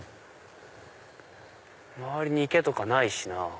周りに池とかないしな。